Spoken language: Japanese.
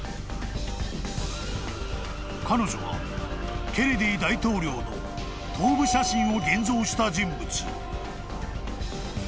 ［彼女はケネディ大統領の頭部写真を現像した人物］